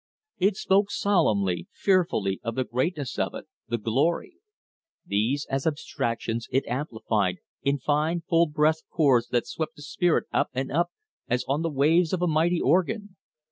It spoke solemnly, fearfully of the greatness of it, the glory. These as abstractions it amplified in fine full breathed chords that swept the spirit up and up as on the waves of a mighty organ.